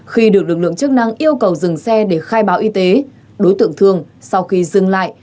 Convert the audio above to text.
khi được lực lượng chức năng yêu cầu dừng xe để khai báo y tế đối tượng thường sau khi dừng lại